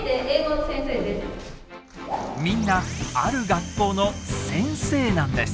みんなある学校の先生なんです。